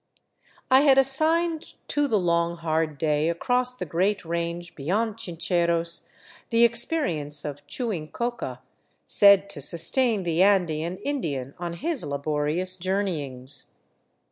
I had assigned to the long, hard day across the great range beyond Chincheros the experience of chewing coca, said to sustain the Andean Indian on his laborious journeyings.